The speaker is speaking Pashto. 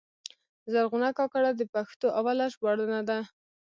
زرغونه کاکړه د پښتو اوله ژباړنه ده.